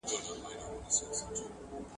زه به سبا د کتابتوننۍ سره خبري وکړم،